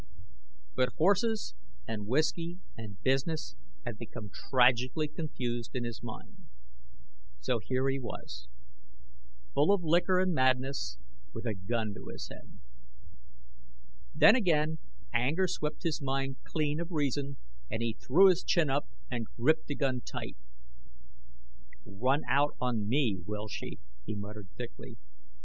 But horses and whiskey and business had become tragically confused in his mind; so here he was, full of liquor and madness, with a gun to his head. Then again anger swept his mind clean of reason, and he threw his chin up and gripped the gun tight. "Run out on me, will she!" he muttered thickly.